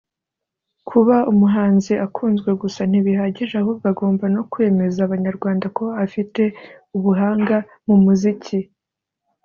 Kuba umuhanzi akunzwe gusa ntibihagije ahubwo agomba no kwemeza Abanyarwanda ko afite ubuhanga mu muziki